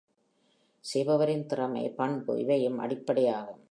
செய்பவரின் திறமை, பண்பு இவையும் அடிப்படை ஆகும்.